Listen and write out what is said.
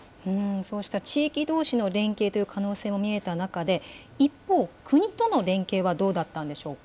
そうした地域どうしの連携という可能性も見えた中で、一方、国との連携はどうだったんでしょうか。